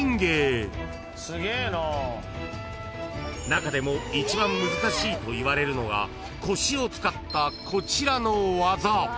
［中でも一番難しいといわれるのが腰を使ったこちらの技］